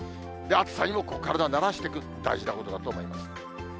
暑さにも体を慣らしていく、大事なことだと思います。